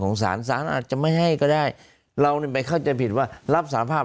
สารสารอาจจะไม่ให้ก็ได้เราไปเข้าใจผิดว่ารับสารภาพ